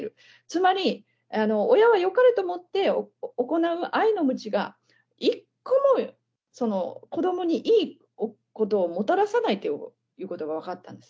つまり、親はよかれと思って行う愛のむちが、一個も子どもにいいことをもたらさないということが分かったんで